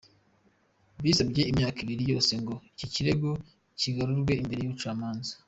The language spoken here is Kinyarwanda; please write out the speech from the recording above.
Bisabye imyaka ibiri yose ngo iki kirego kigarurwe imbere y’ubucamanza.”